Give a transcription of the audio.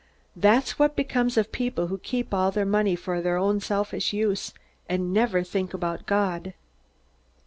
That's what becomes of people who keep all their money for their own selfish use, and never think about God."